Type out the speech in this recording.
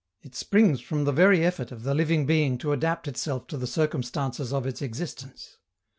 It springs from the very effort of the living being to adapt itself to the circumstances of its existence.